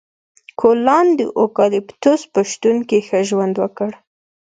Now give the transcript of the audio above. کوالان د اوکالیپتوس په شتون کې ښه ژوند وکړ.